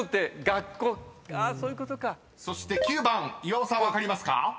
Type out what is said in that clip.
［そして９番岩尾さん分かりますか？］